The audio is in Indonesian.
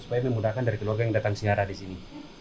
supaya memudahkan dari keluarga yang datang ziarah di sini